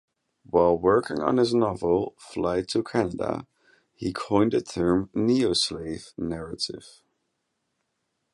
While working on his novel "Flight to Canada," he coined the term "Neo-Slave narrative.